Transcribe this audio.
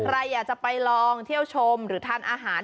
ใครอยากจะไปลองเที่ยวชมหรือทานอาหาร